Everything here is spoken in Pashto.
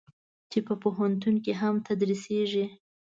چې په پوهنتون کې هم تدریسېږي.